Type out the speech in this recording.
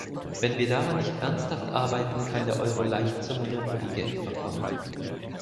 Wenn wir daran nicht ernsthaft arbeiten, kann der Euro leicht zum Monopolygeld verkommen.